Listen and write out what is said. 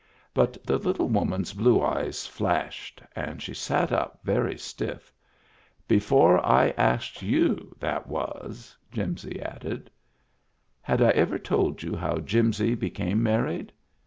But the little woman's blue eyes flashed and she sat up very stiff. "Before I asked you, that was," Jimsy added. Have I ever told you how Jimsy became mar ried?